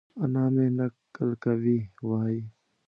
انا مې؛ نکل کوي وايي؛